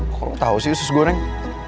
kok lo tau sih sus goreng